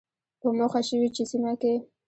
په موخه شوې چې سیمه کې